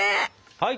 はい。